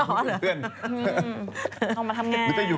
แล้วลุยใช่